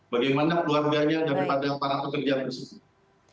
bagaimana keluarganya daripada para pekerja tersebut